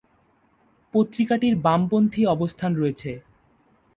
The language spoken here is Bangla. পত্রিকাটির বামপন্থী অবস্থান রয়েছে।